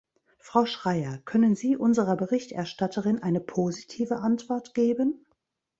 Frau Schreyer, können Sie unserer Berichterstatterin eine positive Antwort geben?